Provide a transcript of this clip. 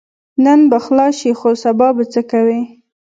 نن به خلاص شې خو سبا به څه کوې؟